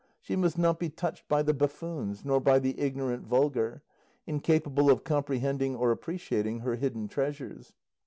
She must not be touched by the buffoons, nor by the ignorant vulgar, incapable of comprehending or appreciating her hidden treasures.